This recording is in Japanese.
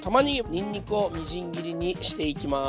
にんにくをみじん切りにしていきます。